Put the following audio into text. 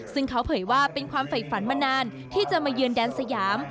ซึ่งเขาเผยว่าเป็นความฝ่ายฝันมานานที่จะมาเยือนแดนสยาม